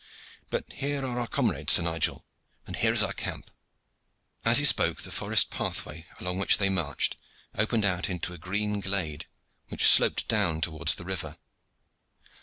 But here are our comrades, Sir Nigel, and here is our camp." As he spoke, the forest pathway along which they marched opened out into a green glade, which sloped down towards the river.